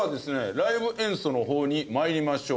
ライブ演奏の方に参りましょう。